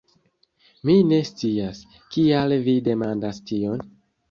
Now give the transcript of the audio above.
Mi ne scias, kial vi demandas tion?